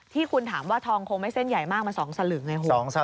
ที่คุณถามว่าทองคงไม่เส้นใหญ่มากมัน๒สลึงไงคุณ